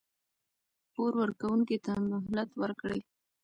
پور ورکوونکي ته مهلت ورکړئ.